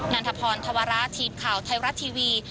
ันทพรธวระทีมข่าวไทยรัฐทีวี